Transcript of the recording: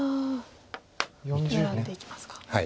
狙っていきますか。